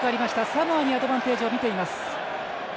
サモアにアドバンテージを見ています。